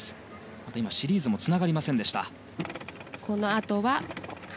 あとシリーズもつながりませんでした。